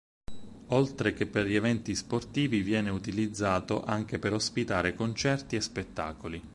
Oltre che per gli eventi sportivi, viene utilizzato anche per ospitare concerti e spettacoli.